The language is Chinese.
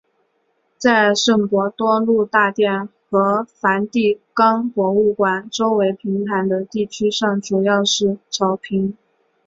在圣伯多禄大殿和梵蒂冈博物馆周围平坦的地区上主要是草坪。